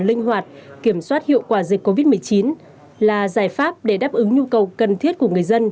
linh hoạt kiểm soát hiệu quả dịch covid một mươi chín là giải pháp để đáp ứng nhu cầu cần thiết của người dân